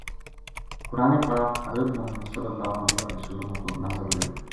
قرآن پاک حضر محمد ﷺ اپر نازل ہویو۔